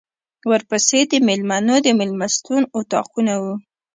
ورپسې د مېلمنو د مېلمستون اطاقونه و.